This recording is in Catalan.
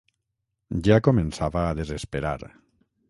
Ja començava a desesperar.